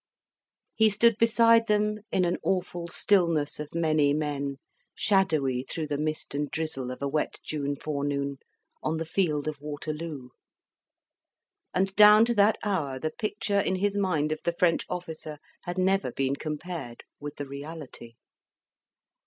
He stood beside them, in an awful stillness of many men, shadowy through the mist and drizzle of a wet June forenoon, on the field of Waterloo. And down to that hour the picture in his mind of the French officer had never been compared with the reality.